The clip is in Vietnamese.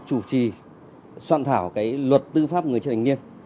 chủ trì soạn thảo luật tư pháp người chưa thành niên